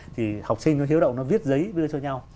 thì học sinh nó hiếu động nó viết giấy đưa cho nhau